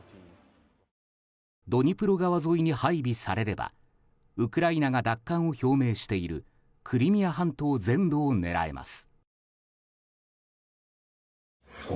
ドニプロ川沿いに配備されればウクライナが奪還を表明しているクリミア半島全土を狙えます。